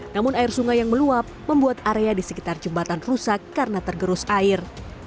namun air sungai yang meluap membuat area di sekitar jembatan rusak karena tergerus air